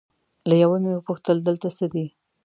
له یوه مې وپوښتل دلته څه دي؟